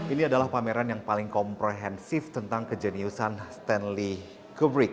ini adalah pameran yang paling komprehensif tentang kejeniusan stanley kubrik